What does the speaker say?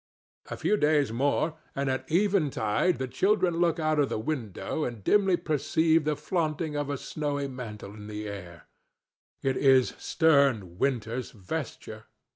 A few days more, and at eventide the children look out of the window and dimly perceive the flaunting of a snowy mantle in the air. It is stern Winter's vesture.